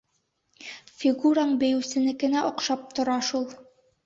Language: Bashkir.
Фигураң бейеүсенекенә оҡшап тора шул!